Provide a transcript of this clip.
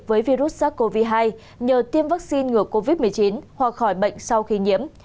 với virus sars cov hai nhờ tiêm vaccine ngừa covid một mươi chín hoặc khỏi bệnh sau khi nhiễm